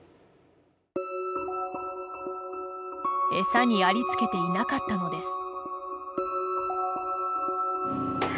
餌にありつけていなかったのです。